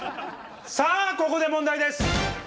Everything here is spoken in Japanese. さあここで問題です！